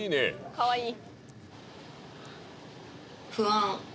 かわいい！